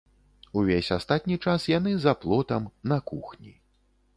Увесь астатні час яны за плотам, на кухні.